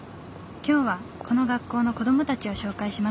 今日はこの学校の子どもたちを紹介します。